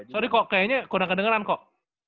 sorry kok kayaknya kurang kedengeran kok